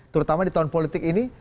terutama di tahun politik ini